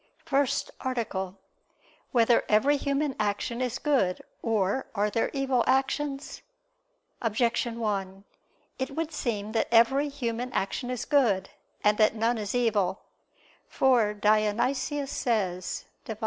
________________________ FIRST ARTICLE [I II, Q. 18, Art. 1] Whether Every Human Action Is Good, or Are There Evil Actions? Objection 1: It would seem that every human action is good, and that none is evil. For Dionysius says (Div.